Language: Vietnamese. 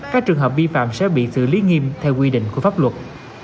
các trường hợp vi phạm sẽ bị xử lý nghiêm theo quy định của pháp luật